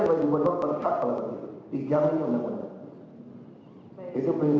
karena di keterangan keterangan sebelumnya